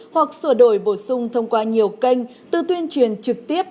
hoặc sửa đổi bổ sung thông qua nhiều kênh từ tuyên truyền trực tiếp